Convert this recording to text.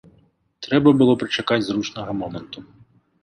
Трэба было прычакаць зручнага моманту.